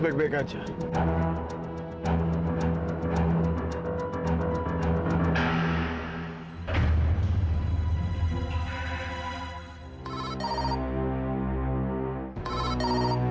ya allah gimana ini